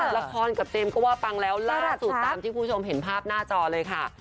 ละครกับเจมส์ก็ว่าปังแล้วล่าสุดตามที่คุณผู้ชมเห็นภาพหน้าจอเลยค่ะ